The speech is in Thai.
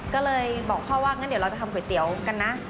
ก็เลยบอกพ่อว่าเราจะทำก๋วยเตี๋ยวกันนะ